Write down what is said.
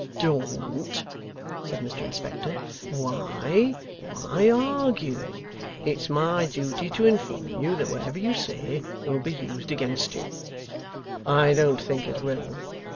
'Don't!' said Mr Inspector. 'Why, why argue? It's my duty to inform you that whatever you say, will be used against you.' 'I don't think it will.